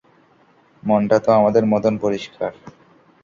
মনটা তো আমাদের মতোন পরিষ্কার।